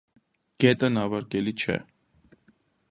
Գետը նավարկելի չէ։